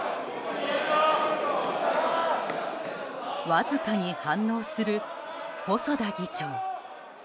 わずかに反応する、細田議長。